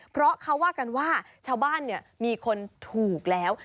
เพราะเขาว่ากันว่าชาวบ้านมีคนถูกแล้ว